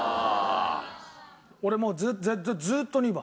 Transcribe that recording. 俺もうずーっと２番。